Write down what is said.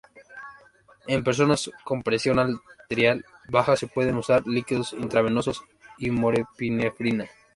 En personas con presión arterial baja, se pueden usar líquidos intravenosos y norepinefrina.